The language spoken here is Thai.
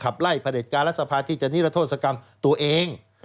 ขับไล่ผลิตการและสภาที่จะนิลโทษกรรมตัวเอง